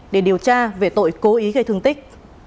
để điều tra về tội cố ý gây thương tích